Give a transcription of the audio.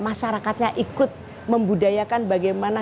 masyarakatnya ikut membudayakan bagaimana